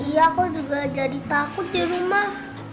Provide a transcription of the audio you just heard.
iya aku juga jadi takut ya rumah